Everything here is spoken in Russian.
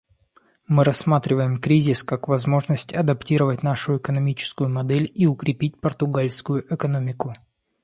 Мы рассматриваем кризис как возможность адаптировать нашу экономическую модель и укрепить португальскую экономику.